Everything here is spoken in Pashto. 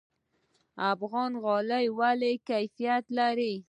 افغاني غالۍ ولې کیفیت لري؟